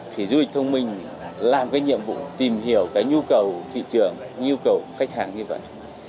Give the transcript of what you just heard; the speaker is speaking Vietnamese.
thì du lịch thông minh làm cái nhiệm vụ tìm hiểu cái nhu cầu thị trường nhu cầu khách hàng như vậy